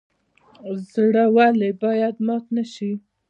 زړه ولې باید مات نشي؟